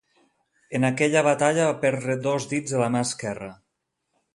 En aquella batalla va perdre dos dits de la mà esquerra.